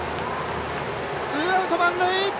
ツーアウト、満塁。